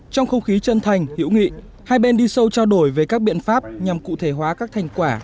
trong không khí chân thành hiểu nghị hai bên đi sâu trao đổi về các biện pháp nhằm cụ thể hóa các thành quả